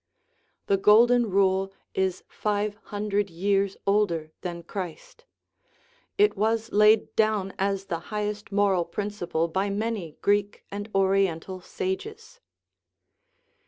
The Gold THE RIDDLE OF THE UNIVERSE en Rule is five hundred years older than Christ; it was laid down as the highest moral principle by many Greek and Oriental sages.